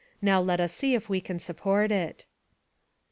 Now let us see if we can support it.